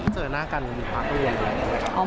เจอหน้ากันมีความรู้หรือเปล่า